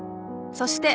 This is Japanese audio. ［そして］